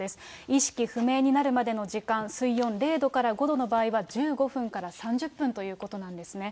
意識不明になるまでの時間、水温０度から５度の場合は１５分から３０分ということなんですね。